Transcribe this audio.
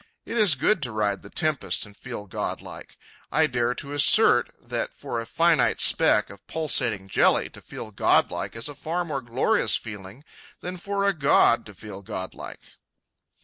It is good to ride the tempest and feel godlike. I dare to assert that for a finite speck of pulsating jelly to feel godlike is a far more glorious feeling than for a god to feel godlike.